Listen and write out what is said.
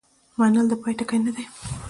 منل د پای ټکی نه دی.